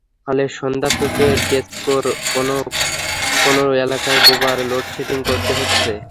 ফলে সন্ধ্যা থেকে ডেসকোর কোনো কোনো এলাকায় দুবার লোডশেডিং করতে হচ্ছে।